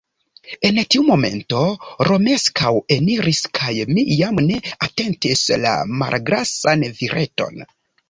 En tiu momento Romeskaŭ eniris kaj mi jam ne atentis la malgrasan vireton.